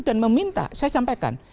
dan meminta saya sampaikan